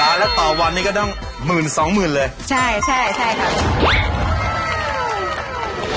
แล้วต่อวันนี้ก็ต้องหมื่นสองหมื่นเลยใช่ใช่ค่ะ